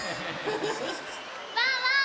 ワンワン！